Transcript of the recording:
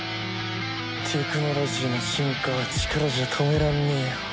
テクノロジーの進化は力じゃ止めらんねえよ。